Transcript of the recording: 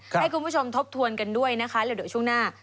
ให้คุณผู้ชมทบทวนกันด้วยนะคะแล้วเดี๋ยวช่วงหน้า